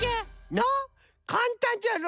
なあかんたんじゃろ？